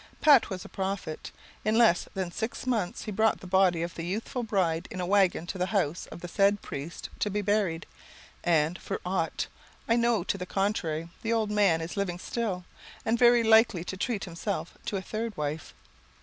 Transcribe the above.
Pat was a prophet; in less than six months he brought the body of the youthful bride in a waggon to the house of the said priest to be buried, and, for aught I know to the contrary, the old man is living still, and very likely to treat himself to a third wife.